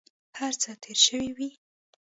هر څه تېر شوي وي.